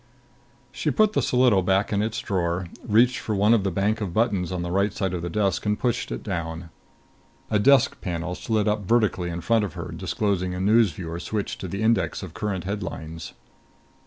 She put the solido back in its drawer, reached for one of the bank of buttons on the right side of the desk and pushed it down. A desk panel slid up vertically in front of her, disclosing a news viewer switched to the index of current headlines.